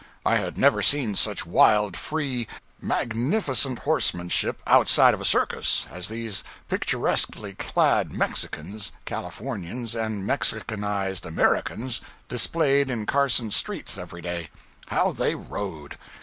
I had never seen such wild, free, magnificent horsemanship outside of a circus as these picturesquely clad Mexicans, Californians and Mexicanized Americans displayed in Carson streets every day. How they rode!